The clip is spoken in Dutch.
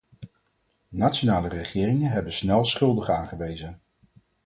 Nationale regeringen hebben snel schuldigen aangewezen.